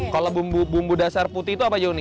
kalau bumbu dasar putih itu apa ya uni